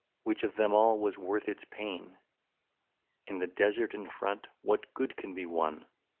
Which of them all was worth its pain ; In the desert in front, what good could be won